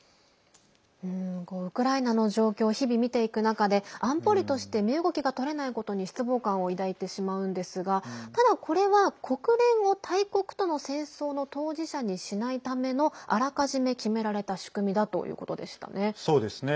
ウクライナの状況を日々、見ていく中で安保理として身動きが取れないことに失望感を抱いてしまうんですがただ、これは国連を大国との戦争の当事者にしないためのあらかじめ決められた仕組みだということでしたね。